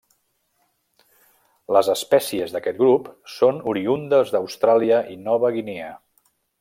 Les espècies d'aquest grup són oriündes d'Austràlia i Nova Guinea.